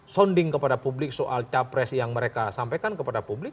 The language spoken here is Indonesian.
sounding kepada publik soal capres yang mereka sampaikan kepada publik